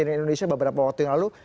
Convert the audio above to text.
di sini indonesia beberapa waktu yang lalu